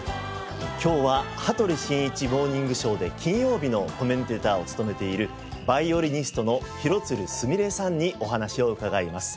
今日は『羽鳥慎一モーニングショー』で金曜日のコメンテーターを務めているヴァイオリニストの廣津留すみれさんにお話を伺います。